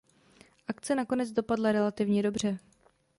Akce nakonec dopadla relativně dobře.